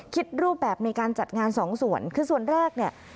รูปแบบในการจัดงานสองส่วนคือส่วนแรกเนี่ย